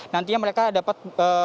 nantinya mereka dapat